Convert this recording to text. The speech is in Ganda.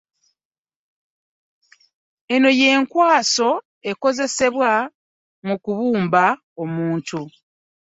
Eno y'enkwaso ekozesebwa mu kubumba omuntu.